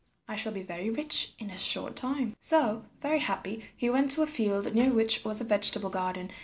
I shall be very rich in a short time." So, very happy, he went to a field near which was a vegetable garden.